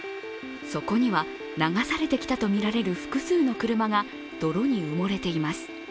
そこには流されてきたとみられる複数の車が泥に埋もれています。